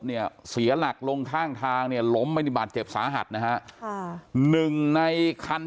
ตอนที่ขี่รถไล่ตามเป็นยังไงบ้าง